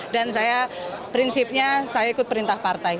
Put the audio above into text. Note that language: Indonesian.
dan saya prinsipnya saya ikut perintah partai